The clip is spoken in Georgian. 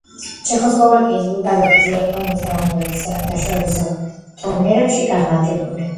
ჩეხოსლოვაკიის, ბულგარეთის, იაპონიისა და უნგრეთის საერთაშორისო ტურნირებში გამარჯვებული.